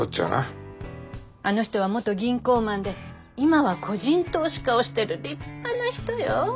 あの人は元銀行マンで今は個人投資家をしてる立派な人よ。